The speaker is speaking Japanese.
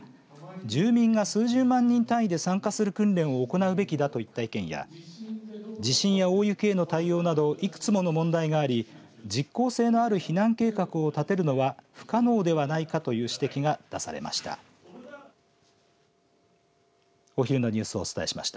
住民が数十万人単位で参加する訓練を行うべきだといった意見や地震や大雪への対応などいくつもの問題があり実効性のある避難計画を立てるのは不可能ではないかという指摘が出されました。